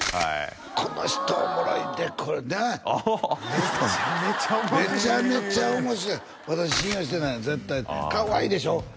この人おもろいでこれねえあっ会ってきためちゃめちゃ面白いめちゃめちゃ面白い「私信用してない絶対」ってかわいいでしょ？